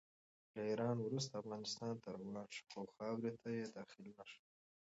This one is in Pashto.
له ایران وروسته افغانستان ته روان شو، خو خاورې ته یې داخل نه شو.